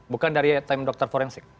bukan dari tim dokter forensik